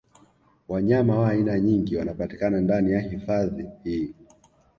Wanyama wa aina nyingi wanapatikana ndani ya hifadhi hii